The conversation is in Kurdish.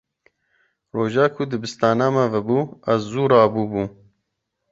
Roja ku dibistana me vebû, ez zû rabûbûm.